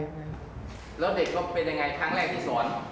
แล้วเด็กเขาเป็นยังไงครั้งแรกที่สอน